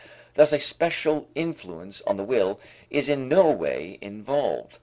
Thus a special influence on the will is in no way involved.